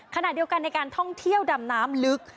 ขณะเดียวกันในการท่องเที่ยวดำน้ำลึก